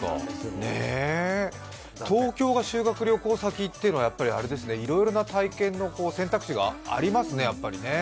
東京が修学旅行先というのはいろいろな体験の選択肢がありますね。